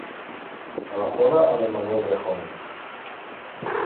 Telefona a l'Emanuel Rejon.